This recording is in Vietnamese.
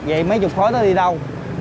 vậy mấy chục khối nó đi đâu